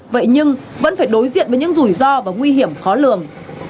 vậy nhưng vẫn phải đối diện với những rủi ro và nguy hiểm khó lường